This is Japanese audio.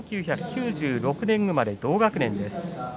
この両者は１９９６年生まれの同学年です。